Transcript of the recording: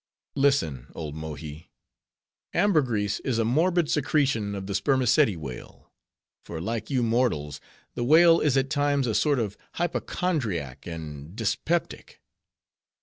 "Listen, old Mohi; ambergris is a morbid secretion of the Spermaceti whale; for like you mortals, the whale is at times a sort of hypochondriac and dyspeptic.